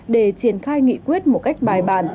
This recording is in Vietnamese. để triển khai nghị quyết một cách bài bản